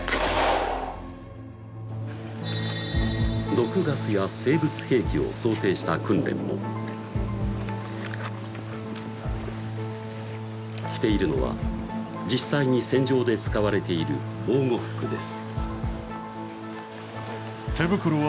毒ガスや生物兵器を想定した訓練も着ているのは実際に戦場で使われている防護服です